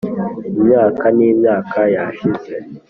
imyaka n'imyaka yashize, -